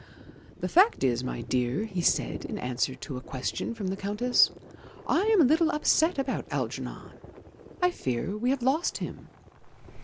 "The fact is, my dear," he said, in answer to a question from the Countess, "I am a little upset about Algernon. I fear we have lost him."